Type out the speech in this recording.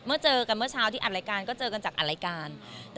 เจอกันเมื่อเช้าที่อัดรายการก็เจอกันจากอัดรายการ